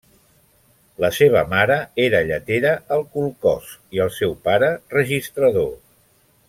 La seva mare era lletera al kolkhoz i el seu pare, registrador.